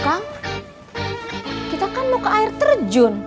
kang kita kan mau ke air terjun